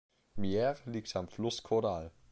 Mieres liegt am Fluss Caudal.